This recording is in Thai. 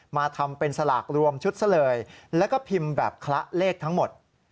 มาทำเป็นสลากรวมชุดซะเลยแล้วก็พิมพ์แบบคละเลขทั้งหมด